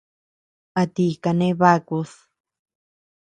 ¿A ti kane bakud?